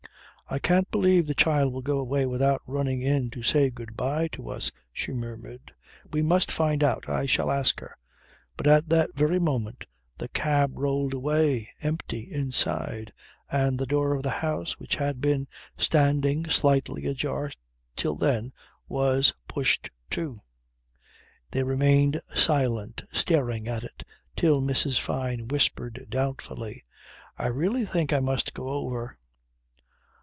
"I can't believe the child will go away without running in to say good bye to us," she murmured. "We must find out! I shall ask her." But at that very moment the cab rolled away, empty inside, and the door of the house which had been standing slightly ajar till then was pushed to. They remained silent staring at it till Mrs. Fyne whispered doubtfully "I really think I must go over."